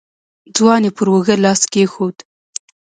ځوان يې پر اوږه لاس کېښود.